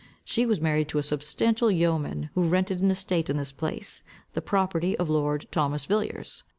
She was married to a substantial yeoman, who rented an estate in this place, the property of lord Thomas Villiers.